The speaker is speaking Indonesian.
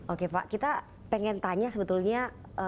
oke pak kita pengen tanya sebetulnya